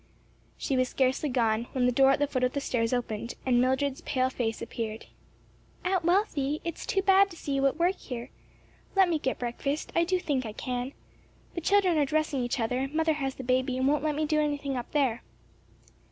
She was scarcely gone when the door at the foot of the stairs opened, and Mildred's pale face appeared. "Aunt Wealthy, it is too bad to see you at work here. Let me get breakfast. I do think I can. The children are dressing each other, mother has the baby and won't let me do anything up there."